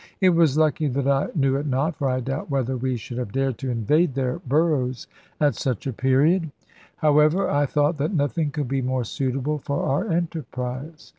It was lucky that I knew it not, for I doubt whether we should have dared to invade their burrows at such a period. However, I thought that nothing could be more suitable for our enterprise.